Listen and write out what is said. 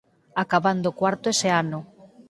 Acabando cuarto ese ano.